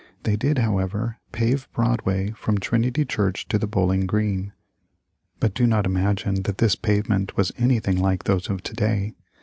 They did, however, pave Broadway from Trinity Church to the Bowling Green. But do not imagine that this pavement was anything like those of to day.